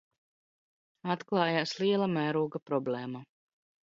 Atklājās liela mēroga problēma